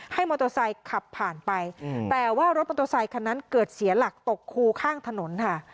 มอเตอร์ไซค์ขับผ่านไปแต่ว่ารถมอเตอร์ไซคันนั้นเกิดเสียหลักตกคูข้างถนนค่ะ